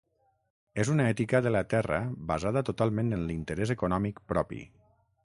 És una ètica de la terra basada totalment en l'interès econòmic propi.